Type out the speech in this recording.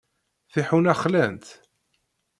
Tiḥuna xlant.